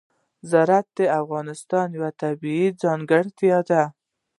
زراعت د افغانستان یوه طبیعي ځانګړتیا ده.